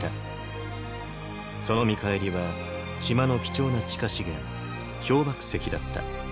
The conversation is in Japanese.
その見返りは島の貴重な地下資源「氷爆石」だった。